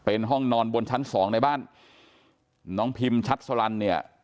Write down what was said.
เป็นห้องนอนบนชั้นสองในบ้านน้องพิมชัดสลันเนี่ย